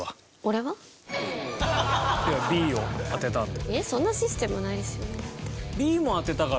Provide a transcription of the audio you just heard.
Ｂを当てたので。